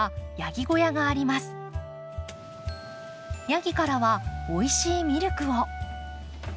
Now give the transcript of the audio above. ヤギからはおいしいミルクを。